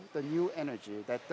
menjadi energi baru